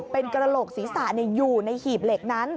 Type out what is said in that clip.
เป็นกระโหลกศีรษะอยู่ในหีบเหล็กนั้น